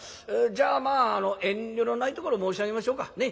じゃあ遠慮のないところ申し上げましょうか。ね？